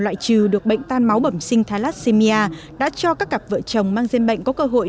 loại trừ được bệnh tan máu bẩm sinh thalassemia đã cho các cặp vợ chồng mang gian bệnh có cơ hội